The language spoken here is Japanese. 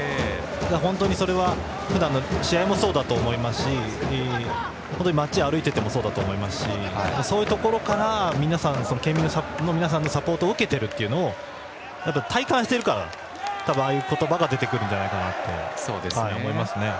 本当にそれはふだんの試合もそうだと思いますし街を歩いていてもそうだと思いますしそういうところから県民の皆さんのサポートを受けていることを体感しているからああいう言葉が出てくるんだと思いますね。